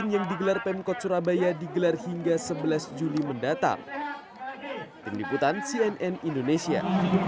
sembilan belas yang digelar pemkot surabaya digelar hingga sebelas juli mendatang peniputan cnn indonesia